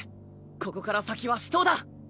ここから先は死闘だ！